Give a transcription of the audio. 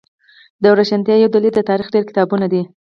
د روښانتیا یو دلیل د تاریخ ډیر کتابونه دی